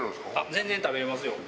全然食べれますよ。